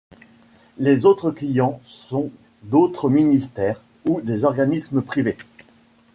Les autres clients sont d'autres ministères ou des organismes privés.